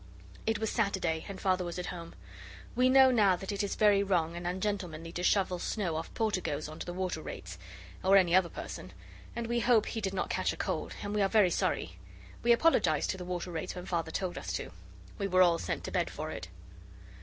It was Saturday, and Father was at home. We know now that it is very wrong and ungentlemanly to shovel snow off porticoes on to the Water Rates, or any other person, and we hope he did not catch a cold, and we are very sorry. We apologized to the Water Rates when Father told us to. We were all sent to bed for it.